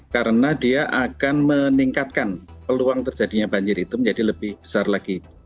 karena dia akan meningkatkan peluang terjadinya banjir itu menjadi lebih besar lagi